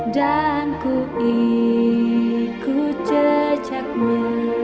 dan ku ikut jejakmu